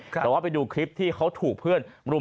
แต่ว่าไปดูคลิปที่เขาถูกเพื่อนรุม